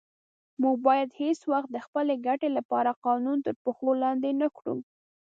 موږ باید هیڅ وخت د خپلې ګټې لپاره قانون تر پښو لاندې نه کړو.